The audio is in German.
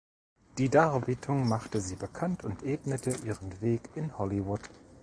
Die Darbietung machte sie bekannt und ebnete ihren Weg in Hollywood.